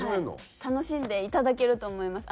楽しんでいただけると思います。